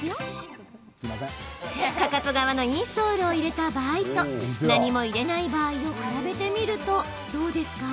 かかと側のインソールを入れた場合と何も入れない場合を比べてみると、どうです？